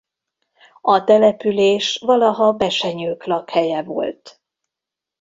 A település valaha besenyők lakhelye volt.